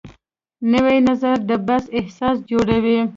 نوی نظر د بحث اساس جوړوي